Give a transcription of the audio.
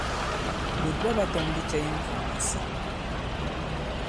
Ɓǒt ɓɔ ɓa tɔ̄ŋ ndi cɛ i ŋ̀kɔ̀ŋ mu si?